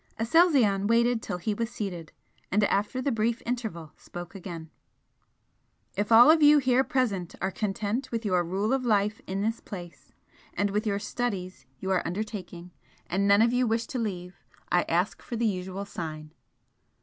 Aselzion waited till he was seated and after the brief interval spoke again "If all of you here present are content with your rule of life in this place, and with the studies you are undertaking, and none of you wish to leave, I ask for the usual sign."